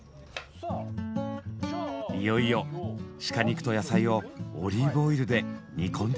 いよいよシカ肉と野菜をオリーブオイルで煮込んでいきます。